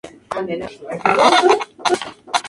Ocho relatos de vida.